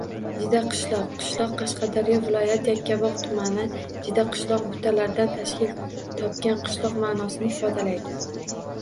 Jidaqishloq – qishloq, Qashqadaryo viloyati Yakkabog‘ tumani. Jidaqishloq - «butalardan tashkil topgan qishloq» ma’nosini ifodalaydi.